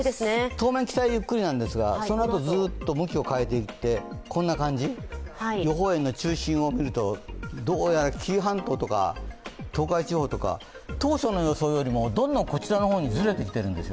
当面北へゆっくりなんですが、そのあとずっと向きを変えていってこんな感じ、予報円の中心を見るとどうやら紀伊半島とか東海地方とか当初の予想よりもどんどんこちらの方にずれてきているんですよ。